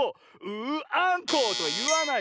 「ううアンコウ！」といわない。